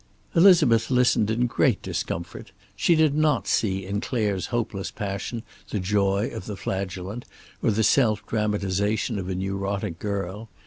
Elizabeth listened in great discomfort. She did not see in Clare's hopeless passion the joy of the flagellant, or the self dramatization of a neurotic girl.